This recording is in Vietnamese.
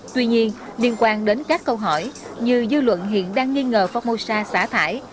tuy nhiên liên quan đến các câu hỏi như dư luận hiện đang nghi ngờ phongmosa xả thải